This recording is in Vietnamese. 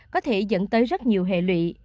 có thể dẫn tới rất nhiều hệ lụy